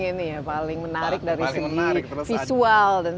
ini ya paling menarik dari segi visual